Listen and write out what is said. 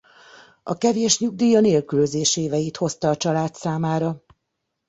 A kevés nyugdíj a nélkülözés éveit hozta a család számára.